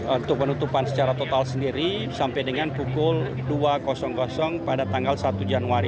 untuk penutupan secara total sendiri sampai dengan pukul dua pada tanggal satu januari dua ribu dua puluh dua